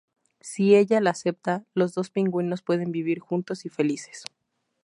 Si ella la acepta, los dos pingüinos pueden vivir juntos y felices.